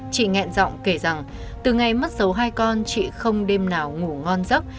chị ngẹn rộng kể rằng từ ngày mất dấu hai con chị không đêm nào ngủ ngon dốc